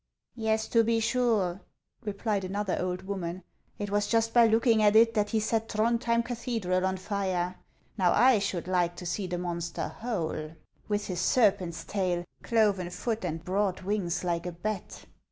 " Yes, to be sure," replied another old woman ;" it was just by looking at it that he set Throudhjem cathedral on fire. Now I should like to see the monster whole, HANS OF ICELAND. 215 with his serpent's tail, cloven foot, and broad wings like a bat."